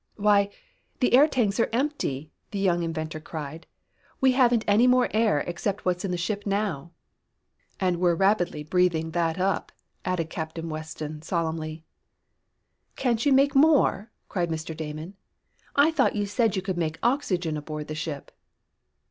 "Why, the air tanks are empty!" the young inventor cried. "We haven't any more air except what is in the ship now!" "And we're rapidly breathing that up," added Captain Weston solemnly. "Can't you make more?" cried Mr. Damon. "I thought you said you could make oxygen aboard the ship."